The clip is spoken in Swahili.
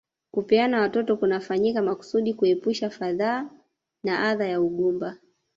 Kupeana watoto kunafanyika makusudi kuepusha fadhaa na adha ya ugumba